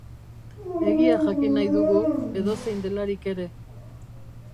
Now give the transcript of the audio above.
Egia jakin nahi dugu, edozein delarik ere.